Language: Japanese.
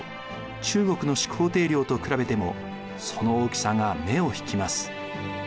中国の始皇帝陵と比べてもその大きさが目を引きます。